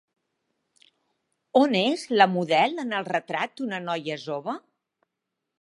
On és la model en el Retrat d'una noia jove?